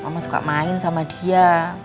mama suka main sama dia